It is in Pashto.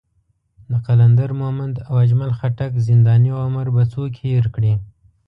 د قلندر مومند او اجمل خټک زنداني عمر به څوک هېر کړي.